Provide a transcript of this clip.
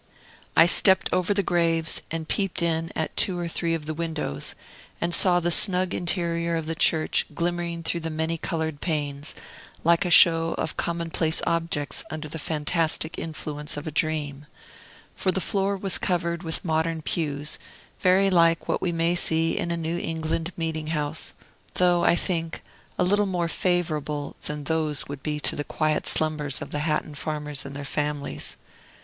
I stepped over the graves, and peeped in at two or three of the windows, and saw the snug interior of the church glimmering through the many colored panes, like a show of commonplace objects under the fantastic influence of a dream: for the floor was covered with modern pews, very like what we may see in a New England meeting house, though, I think, a little more favorable than those would be to the quiet slumbers of the Hatton farmers and their families.